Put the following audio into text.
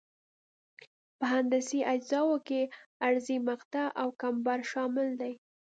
په هندسي اجزاوو کې عرضي مقطع او کمبر شامل دي